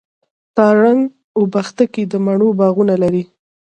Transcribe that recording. تارڼ اوبښتکۍ د مڼو باغونه لري.